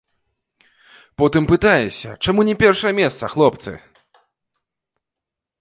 Потым пытаешся, чаму не першае месца, хлопцы?